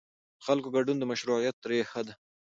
د خلکو ګډون د مشروعیت ریښه ده